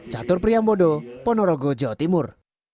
catur priambodo ponorogo jawa timur